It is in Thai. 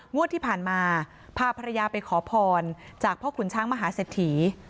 งวดที่ผ่านมาพาภรรยาไปขอพรจากพ่อขุนช้างมหาเศรษฐี